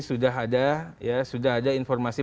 sudah ada ya sudah ada informasi